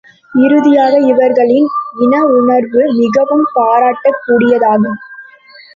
இறுதியாக, இவர்களின் இனவுணர்வு மிகவும் பாராட்டக் கூடியதாகும்.